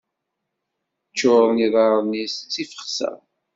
Ččuren yiḍarren-is d tifexsa.